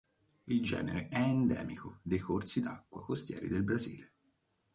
Il genere è endemico dei corsi d'acqua costieri del Brasile.